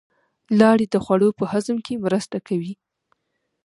لاړې د خوړو په هضم کې مرسته کوي